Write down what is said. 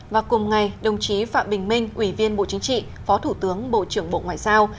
và cùng ngày đồng chí phạm bình minh ủy viên bộ chính trị phó thủ tướng bộ trưởng bộ ngoại giao